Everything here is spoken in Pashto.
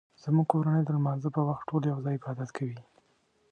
زموږ کورنۍ د لمانځه په وخت ټول یو ځای عبادت کوي